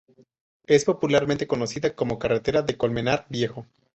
Es popularmente conocida como carretera de Colmenar Viejo.